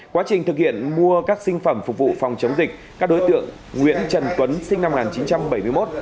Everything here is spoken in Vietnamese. quá trình thực hiện mua các sinh phẩm phục vụ phòng chống dịch các đối tượng nguyễn trần tuấn sinh năm một nghìn chín trăm bảy mươi một